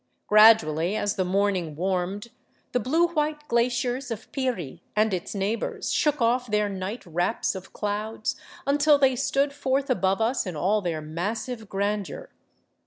Gradually, as the morning warmed, the blue white glaciers of Piri and its neighbors shook ofi' their night wraps of clouds, until they stood forth above us in all their massive grandeur.